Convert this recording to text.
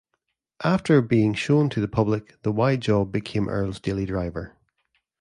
After being shown to the public, the Y-job became Earl's daily driver.